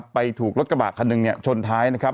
ไปถูกรถกระบะคันหนึ่งชนท้ายนะครับ